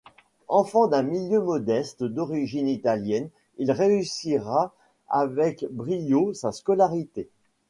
Enfant d'un milieu modeste d'origine italienne, il réussira avec brio sa scolarité.